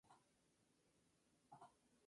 Se convirtió en el centro de la corte y del condado.